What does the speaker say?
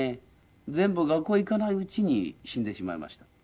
全部学校へ行かないうちに死んでしまいました。